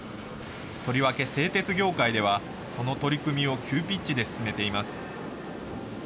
とりわけ製鉄業界ではその取り組みを急ピッチで進めています。